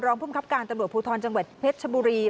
รองพุ่มคับการตำรวจภูทรจังหวัดเพชรชบุรี